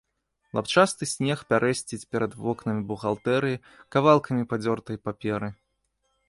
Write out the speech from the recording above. Лапчасты снег пярэсціць перад вокнамі бухгалтэрыі кавалкамі падзёртай паперы.